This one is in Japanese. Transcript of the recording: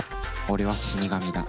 俺は死神だ。